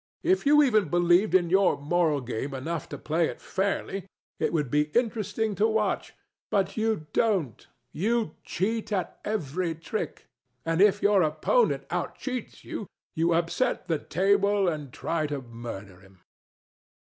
If you even believed in your moral game enough to play it fairly, it would be interesting to watch; but you don't: you cheat at every trick; and if your opponent outcheats you, you upset the table and try to murder him.